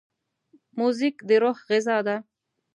موزیک د روح غذا ده.